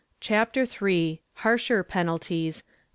CHAPTER III. HARSHER PENALTIES.